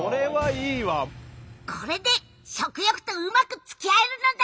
これで食欲とうまくつきあえるのだ！